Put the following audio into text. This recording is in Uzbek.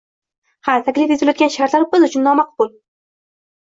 Ha, taklif etilayotgan shartlar biz uchun nomaqbul